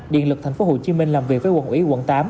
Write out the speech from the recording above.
điện lực tp hcm làm việc với quận ủy quận tám